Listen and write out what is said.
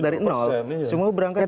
dari semua berangkat dari